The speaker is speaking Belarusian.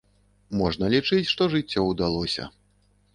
Можна лічыць, што жыццё ўдалося.